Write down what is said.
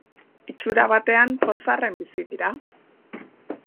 Itxura batean pozarren bizi dira.